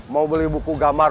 mau beli buku gambar